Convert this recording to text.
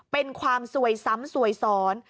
เป็นความสวยซ้ำซวยซ้อน